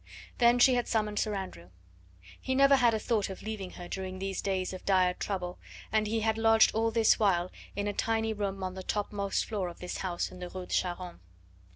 Then she had summoned Sir Andrew. He never had a thought of leaving her during these days of dire trouble, and he had lodged all this while in a tiny room on the top most floor of this house in the Rue de Charonne.